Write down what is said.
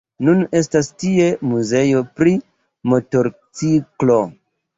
Nun estas tie muzeo pri Motorciklo.